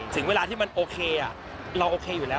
ถึงเวลาที่มันโอเคเราโอเคอยู่แล้ว